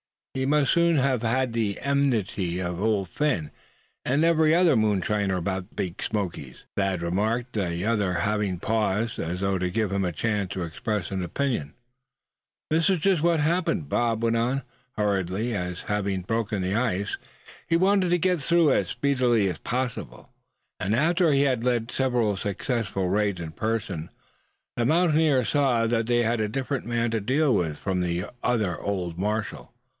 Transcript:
"He must soon have had the enmity of Old Phin, and every other moonshiner about the Big Smokies," Thad remarked, the other having paused, as though to give him a chance to express an opinion. "That is just what happened, suh," Bob went on, hurriedly, as, having broken the ice, he wanted to get through as speedily as possible. "After he had led several successful raids in person, the mountaineers saw that they had a different man to deal with from the other old marshal.